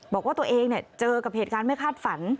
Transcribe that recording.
บอกว่าตัวเองเจอกับเหตุการณ์ไม่คาดฝัน